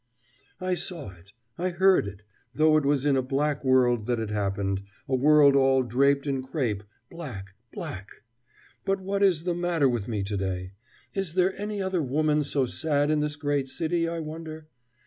I saw it, I heard it, though it was in a black world that it happened, a world all draped in crape; black, black. But what is the matter with me to day? Is there any other woman so sad in this great city, I wonder?